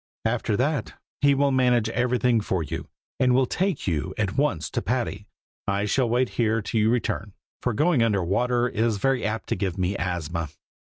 "After that he will manage everything for you, and will take you at once to Patty. I shall wait here till you return, for going under the water is very apt to give me the asthma.